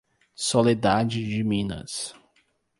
Soledade de Minas